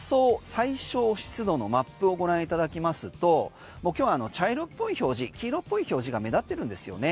最小湿度のマップをご覧いただきますと今日、茶色っぽい表示黄色っぽい表示が目立ってるんですよね。